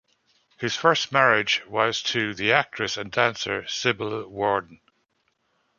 His first marriage was to the actress and dancer Sybil Werden.